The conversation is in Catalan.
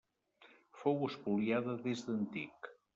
Fou espoliada des d'antic.